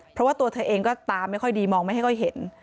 เพราะว่าตัวเธอเองก็ตาไม่ค่อยดีมองไม่ค่อยเห็น